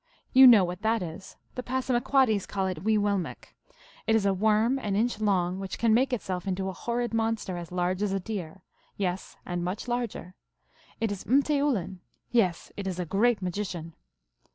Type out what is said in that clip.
(You know what that is: the Passamaquoddies call it wectuilmekq . It is a worm an inch long, which can make itself into a horrid monster as large as a deer ; yes, and much larger. It is mtboulin ; yes, it is a great magician.)